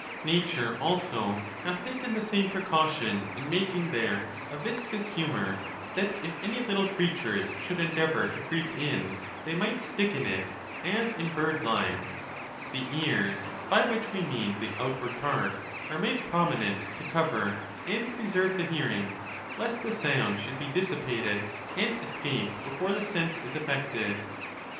Nature also hath taken the same precaution in mak ing there a viscous humor, that if any little ci eatui es should endeavor to ci'eep in, they might stick in it as in bird lime. The ears (by which we mean the outward part) are made prominent, to cover and preserve the liearing, lest the sound should be dissipated and escape before the sense is affected.